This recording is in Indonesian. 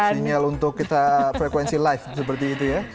sinyal untuk kita frekuensi live seperti itu ya